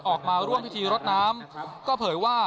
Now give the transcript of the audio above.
ออกมาร่วมพิธีรดน้ำก็เผยว่า